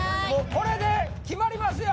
これで決まりますよ